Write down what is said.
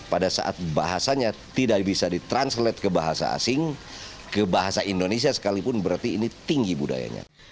pada saat bahasanya tidak bisa di translate ke bahasa asing ke bahasa indonesia sekalipun berarti ini tinggi budayanya